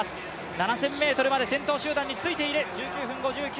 ７０００ｍまで先頭集団についている。